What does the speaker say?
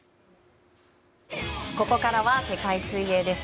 ここからは世界水泳です。